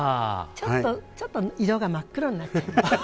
ちょっとちょっと色が真っ黒になっちゃった。